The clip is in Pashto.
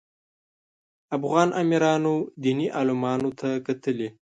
افغان امیرانو دیني عالمانو ته کتلي.